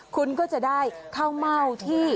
คุณก็จะได้ข้าวเม่าที่